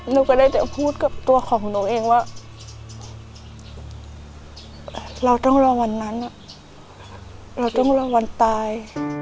หนูก็ได้แต่พูดกับตัวของหนูเองว่าเราต้องรอวันนั้นเราต้องระวังวันตาย